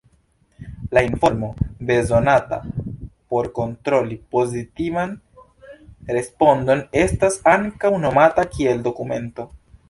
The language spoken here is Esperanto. La informo bezonata por kontroli pozitivan respondon estas ankaŭ nomata kiel "dokumento".